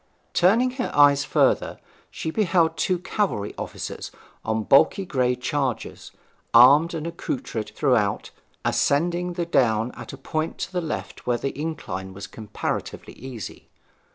Turning her eyes further she beheld two cavalry soldiers on bulky grey chargers, armed and accoutred throughout, ascending the down at a point to the left where the incline was comparatively easy.